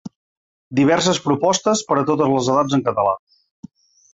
Diverses propostes per a totes les edats en català.